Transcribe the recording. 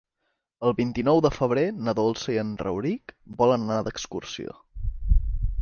El vint-i-nou de febrer na Dolça i en Rauric volen anar d'excursió.